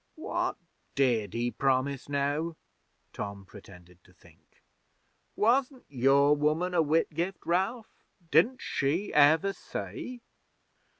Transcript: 'What did he promise, now?' Tom pretended to think. 'Wasn't your woman a Whitgift, Ralph? Didn't she ever say?'